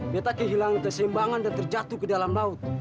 betta kehilangan kesimbangan dan terjatuh ke dalam laut